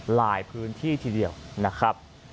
หลายพื้นที่ทีเดียวนะครับ